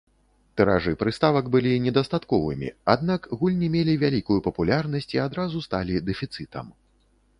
Тыражы прыставак былі недастатковымі, аднак гульні мелі вялікую папулярнасць і адразу сталі дэфіцытам.